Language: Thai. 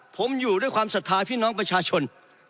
ผมอยู่ด้วยความศรัทธาพี่น้องประชาชน